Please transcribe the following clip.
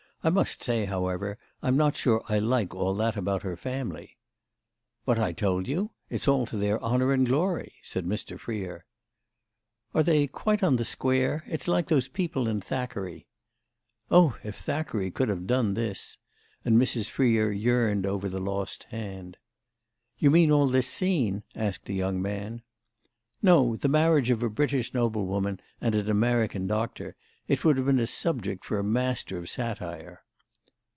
I must say, however, I'm not sure I like all that about her family." "What I told you? It's all to their honour and glory," said Mr. Freer. "Are they quite on the square? It's like those people in Thackeray." "Oh if Thackeray could have done this!" And Mrs. Freer yearned over the lost hand. "You mean all this scene?" asked the young man. "No; the marriage of a British noblewoman and an American doctor. It would have been a subject for a master of satire."